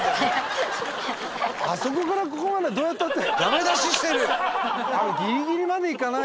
あそこからここまでどうやったって。